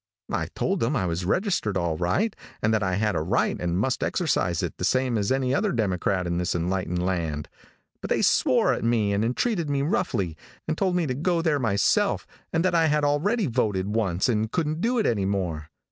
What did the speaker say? I told them I was registered all right, and that I had a right and must exercise it the same as any other Democrat in this enlightened land, but they swore at me and entreated me roughly, and told me to go there myself, and that I had already voted once and couldn't do it any more.